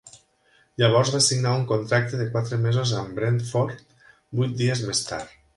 Llavors va signar un contracte de quatre mesos amb Brentford, vuit dies més tard.